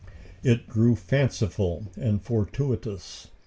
It grew fanciful and fortuitous.